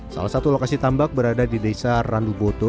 salah satu lokasi tambak berada di desa randuboto